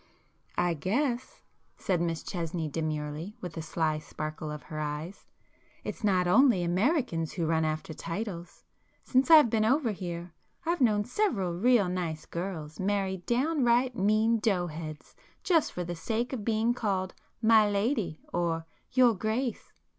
"I guess," said Miss Chesney demurely, with a sly sparkle of her eyes—"it's not only Americans who run after titles. Since I've been over here I've known several real nice girls marry downright mean dough heads just for the sake of being called 'my lady' or 'your grace.